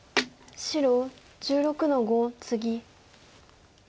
白１６の五ツギ。